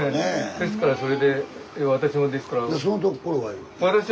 ですからそれで私もですから。